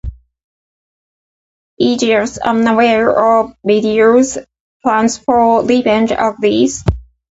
Aegeus, unaware of Medea's plans for revenge, agrees.